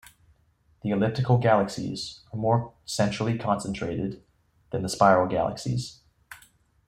The elliptical galaxies are more centrally concentrated than the spiral galaxies.